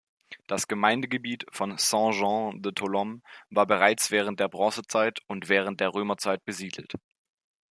Das Gemeindegebiet von Saint-Jean-de-Tholome war bereits während der Bronzezeit und während der Römerzeit besiedelt.